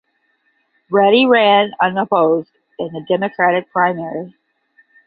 Ready ran unopposed in the Democratic primary.